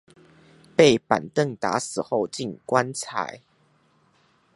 被板凳打死後進棺材